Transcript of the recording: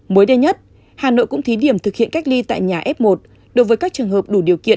mới đây nhất hà nội cũng thí điểm thực hiện cách ly tại nhà f một đối với các trường hợp đủ điều kiện